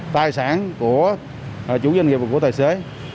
tài sản của chủ doanh nghiệp và của tài xế